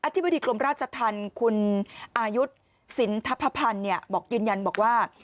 ธิบดีกรมราชธรรมคุณอายุสินทพพันธ์บอกยืนยันบอกว่า